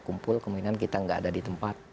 kumpul kemungkinan kita nggak ada di tempat